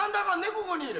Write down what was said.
ここにいる。